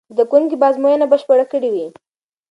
زده کوونکي به ازموینه بشپړه کړې وي.